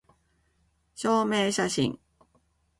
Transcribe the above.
証明写真